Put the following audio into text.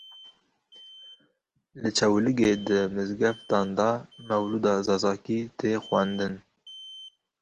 Li Çewligê di mizgeftan de mewlûda Zazakî tê xwendin.